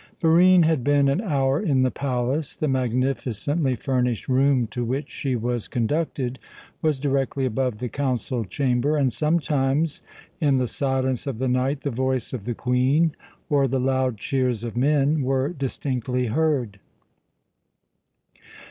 Barine had been an hour in the palace. The magnificently furnished room to which she was conducted was directly above the council chamber, and sometimes, in the silence of the night, the voice of the Queen or the loud cheers of men were distinctly heard.